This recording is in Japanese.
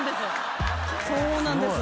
そうなんです。